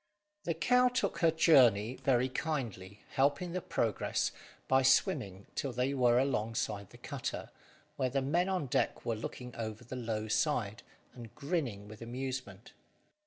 The cow took to her journey very kindly, helping the progress by swimming till they were alongside the cutter, where the men on deck were looking over the low side, and grinning with amusement.